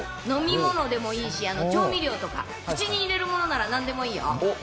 飲み物でもいいし、調味料とか、口に入れるものならなんでもいいよ。